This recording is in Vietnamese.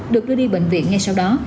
được đưa đi bệnh viện ngay sau đó